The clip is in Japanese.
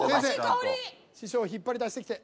師匠を引っ張り出してきて。